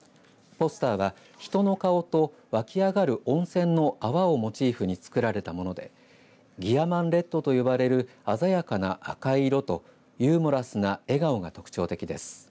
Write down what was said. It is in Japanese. ポスターは人の顔と湧き上がる温泉の泡をモチーフに作られたものでギヤマンレッドと呼ばれる鮮やかな赤い色とユーモラスな笑顔が特徴的です。